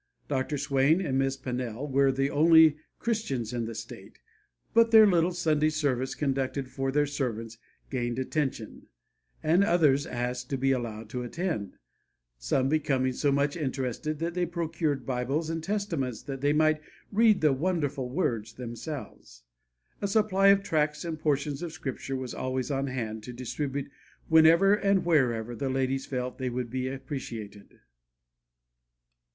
Dr. Swain and Miss Pannell were the only Christians in the state, but their little Sunday service conducted for their servants gained attention, and others asked to be allowed to attend, some becoming so much interested that they procured Bibles and Testaments that they might read the "wonderful words" themselves. A supply of tracts and portions of Scripture was always on hand, to distribute whenever and wherever the ladies felt they would be appreciated.